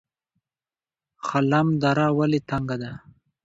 خلم دره ولې تنګه ده؟